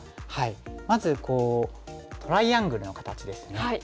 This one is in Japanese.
まずトライアングルの形ですね。